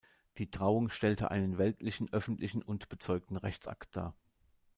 Die Trauung stellte einen weltlichen, öffentlichen und bezeugten Rechtsakt dar.